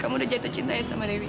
kamu udah jatuh cinta ya sama dewi